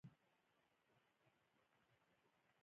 الماري د کور د هر غړي لپاره جدا وي